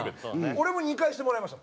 俺も２回してもらいました。